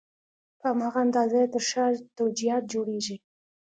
په هماغه اندازه یې تر شا توجیهات جوړېږي.